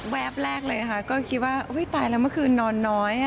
แป๊บแรกเลยค่ะก็คิดว่าตายแล้วเมื่อคืนนอนน้อย